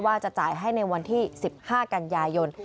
ว่าจะจ่ายให้ในวันที่๑๕กันยายน